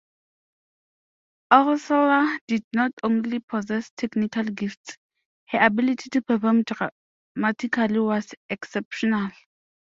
Elssler did not only possess technical gifts, her ability to perform dramatically was exceptional.